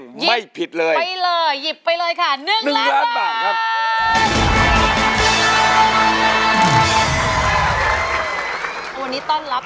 กว่าจะจบรายการเนี่ย๔ทุ่มมาก